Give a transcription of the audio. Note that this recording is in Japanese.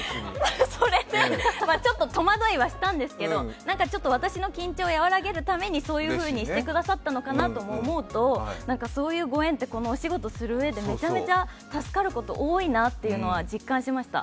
それで、ちょっと戸惑いはしたんですけど、私の緊張を和らげるためにそういうふにしてくださったんだなと思うとそういうご縁ってこのお仕事するうえで、めちゃめちゃ助かること多いなっていうのは実感しました。